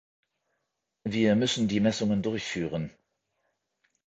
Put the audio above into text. Wir müssen die Messungen durchführen.